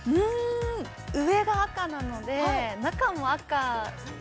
◆上が赤なので中も赤。